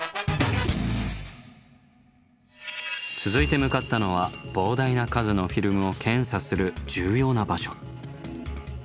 続いて向かったのは膨大な数のフィルムを検査する重要な場所。